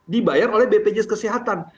dibayar oleh bpjs kesehatan